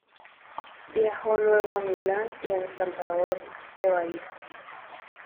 Viajó Luego a Milán y a Salvador de Bahía.